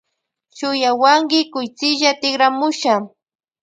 Shuyawanki kutsilla tikramusha.